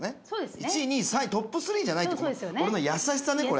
１位２位３位トップ３じゃないって俺の優しさねこれ。